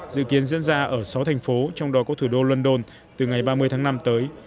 dự kiến diễn ra ở sáu thành phố trong đó có thủ đô london từ ngày ba mươi tháng năm tới